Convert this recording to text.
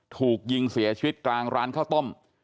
ถูกยิงเสียชีวิตกลางร้านข้าวต้ม